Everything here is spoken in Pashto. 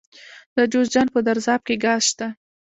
د جوزجان په درزاب کې ګاز شته.